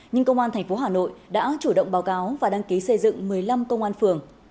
nhưng công an tp hà nội đã chủ động báo cáo và đăng ký xây dựng một mươi năm công an phường